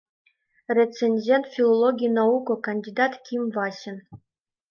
Рецензент филологий науко кандидат Ким ВАСИН